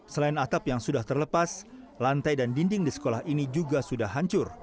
selain atap yang sudah terlepas lantai dan dinding di sekolah ini juga sudah hancur